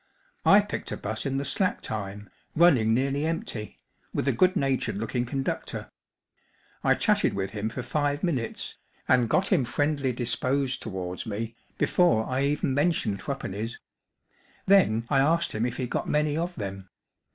I picked a bus in the slack time, running nearly empty, with a goodna tuned looking conductor. I chatted with him for five^mnutes, and got him friendly disposed towards me. before I even mentioned threepenmes. Then I asked him if he got many of them.